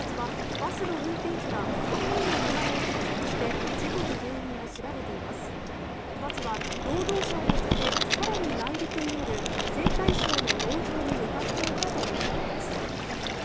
バスは労働者を乗せて更に内陸にある青海省の農場に向かっていたということです。